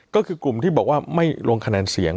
ก็คือกลุ่มที่บอกว่าไม่ลงคะแนนเสียง